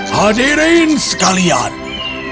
hadirin sekalian kalian telah memilih raja harold